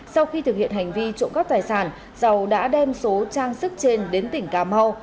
sau khi thực hiện hành vi trộm cắp tài sản giàu đã đem số trang sức trên đến tỉnh cà mau